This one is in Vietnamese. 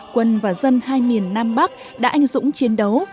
quân và dân hai miền nam bắc đã anh dũng chiến đấu